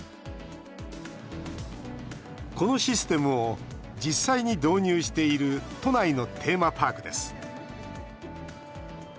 このシステムを実際に導入している都内のテーマパークです。